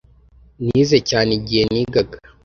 Nize cyane igihe nigaga